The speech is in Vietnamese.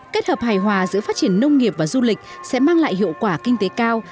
kết hợp hài hòa giữa phát triển nông nghiệp và du lịch sẽ mang lại hiệu quả kinh tế cao